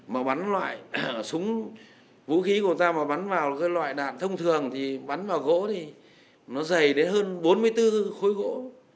mà bắn loại súng vũ khí của ta mà bắn vào cái loại đạn thông thường thì bắn vào gỗ thì nó dày đến hơn bốn mươi bốn khối gỗ